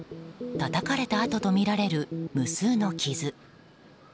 たたかれた跡とみられる無数の傷。